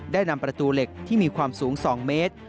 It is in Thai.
ได้นำประตูเหล็กที่มีความสูง๒เมตร